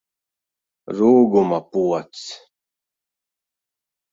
Rūguma pods!